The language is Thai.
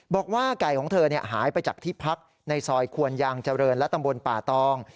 บอกว่าไก่ของเธอหายไปจากที่พักในซอยควนยางเจริญและตำบลป่าตอง